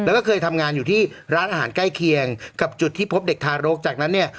แล้วก็เคยทำงานอยู่ที่ร้านอาหารใกล้เคียงกับจุดที่พบเด็กทารกจากนั้นเนี่ย